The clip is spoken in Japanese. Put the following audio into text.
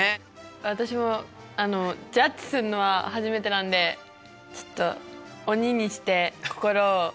私もジャッジするのは初めてなんでちょっと鬼にして心を頑張ります。